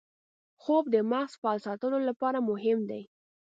خوب د مغز فعال ساتلو لپاره مهم دی